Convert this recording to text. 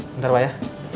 bentar pak ya